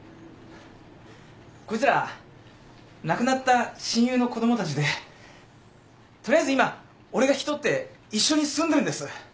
こいつら亡くなった親友の子供たちで取りあえず今俺が引き取って一緒に住んでるんです。